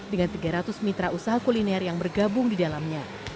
dengan tiga ratus mitra usaha kuliner yang bergabung di dalamnya